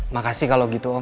makasih kalau gitu om